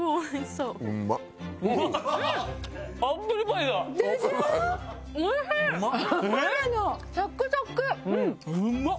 うまっ！